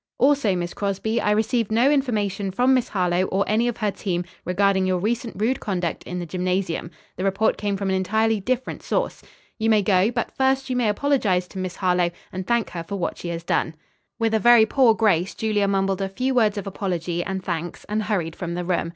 "Also, Miss Crosby, I received no information from Miss Harlowe or any of her team regarding your recent rude conduct in the gymnasium. The report came from an entirely different source. You may go; but first you may apologize to Miss Harlowe, and thank her for what she has done." With a very poor grace, Julia mumbled a few words of apology and thanks and hurried from the room.